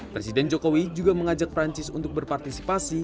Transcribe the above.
presiden jokowi juga mengajak perancis untuk berpartisipasi